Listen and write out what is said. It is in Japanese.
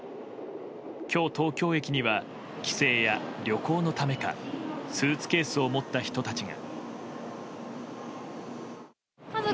今日、東京駅には帰省や旅行のためかスーツケースを持った人たちが。